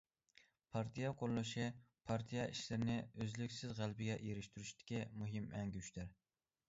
پارتىيە قۇرۇلۇشى پارتىيە ئىشلىرىنى ئۈزلۈكسىز غەلىبىگە ئېرىشتۈرۈشتىكى مۇھىم ئەڭگۈشتەر.